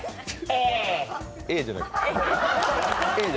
ええ。